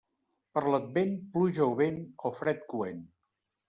Per l'Advent, pluja o vent o fred coent.